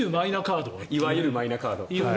いわゆるマイナカード。